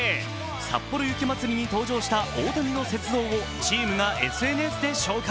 さっぽろ雪まつりに登場した大谷の雪像をチームがＳＮＳで紹介。